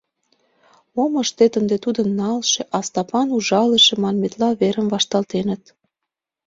Мом ыштет, ынде тудо налше, а Стапан — ужалыше, манметла, верым вашталтеныт.